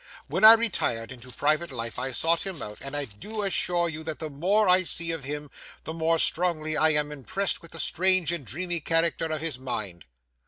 When I retired into private life, I sought him out, and I do assure you that the more I see of him, the more strongly I am impressed with the strange and dreamy character of his mind.